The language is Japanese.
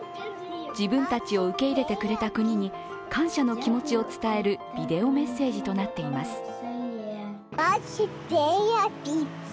自分たちを受け入れてくれた国に感謝の気持ちを伝えるビデオメッセージとなっています。